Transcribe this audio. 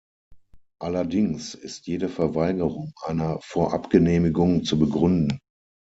Allerdings ist jede Verweigerung einer Vorabgenehmigung zu begründen.